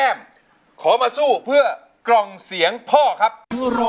แก้มขอมาสู้เพื่อกล่องเสียงให้กับคุณพ่อใหม่นะครับ